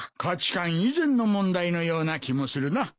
価値観以前の問題のような気もするな。